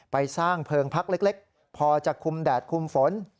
ไปสร้างเพลิงพักเล็กพอจะคุมแดดคุมฝน